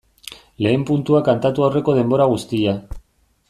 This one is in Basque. Lehen puntua kantatu aurreko denbora guztia.